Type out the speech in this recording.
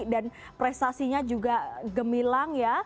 dan prestasinya juga gemilang ya